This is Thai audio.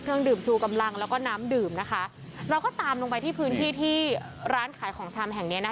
เครื่องดื่มชูกำลังแล้วก็น้ำดื่มนะคะเราก็ตามลงไปที่พื้นที่ที่ร้านขายของชำแห่งเนี้ยนะคะ